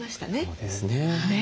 そうですね。